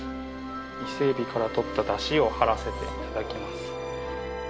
伊勢エビからとった出汁を張らせて頂きます。